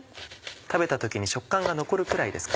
食べた時に食感が残るくらいですか？